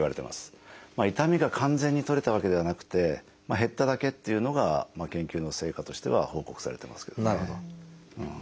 痛みが完全に取れたわけではなくて減っただけっていうのが研究の成果としては報告されていますけどね。